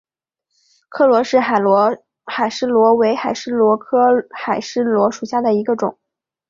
柯罗氏海蛳螺为海蛳螺科海蛳螺属下的一个种。